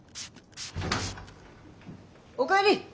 おかえり！